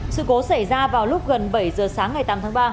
sự cố xảy ra vào lúc gần bảy giờ sáng ngày tám tháng ba